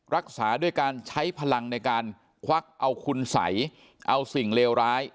รักษาด้วยการใช้พลังในการควักเอาคุณสัยเอาสิ่งเลวร้าย